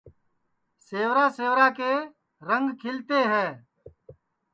سیورا سیورا کے رنگ کھلتے ہے